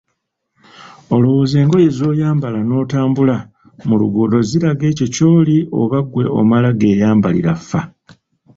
Olowooza engoye z‘oyambala n‘otambula mu luguudo ziraga ekyo ky‘oli oba ggwe omala geyambalira faa?